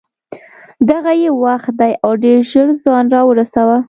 دغه یې وخت دی او ډېر ژر ځان را ورسوه.